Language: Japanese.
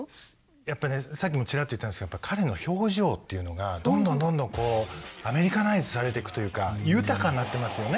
やっぱねさっきもチラッと言ったんですけど彼の表情っていうのがどんどんどんどんアメリカナイズされていくというか豊かになってますよね。